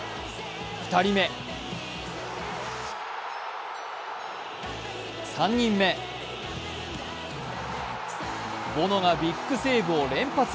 ２人目３人目ボノがビッグセーブを連発。